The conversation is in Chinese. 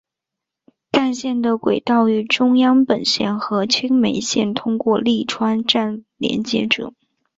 干线的轨道与中央本线和青梅线通过立川站连接着。